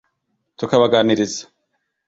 tukabaganiriza